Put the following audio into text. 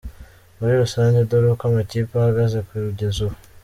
Muri rusange dore uko amakipe ahagaze kugeza ubu :.